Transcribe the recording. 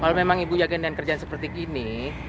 kalau memang ibu yakin dengan kerjaan seperti ini